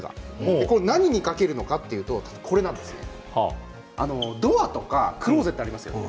何に掛けるかというとドアとかクローゼットありますよね